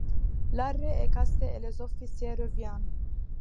L'arrêt est cassé et les officiers reviennent.